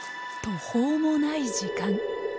途方もない時間。